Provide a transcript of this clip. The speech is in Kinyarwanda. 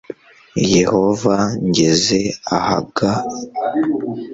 Yehova ngeze ahaga l